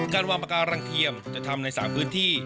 การวางปาการังเทียมจะทำใน๓พื้นที่